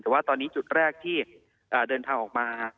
แต่ว่าตอนนี้จุดแรกที่เดินทางออกมา